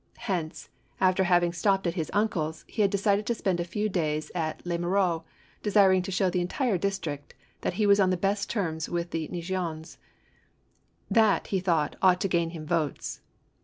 Hence, after having stopped at his uncle's, he had decided to spend a few days at Les Mureaiix, desiring to show the entire district that he was on the best terms with the Neigeons; that, he thought, ought to gain him votes.